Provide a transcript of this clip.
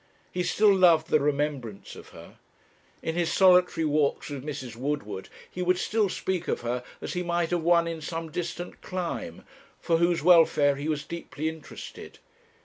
He still loved the remembrance of her. In his solitary walks with Mrs. Woodward he would still speak of her as he might of one in some distant clime, for whose welfare he was deeply interested.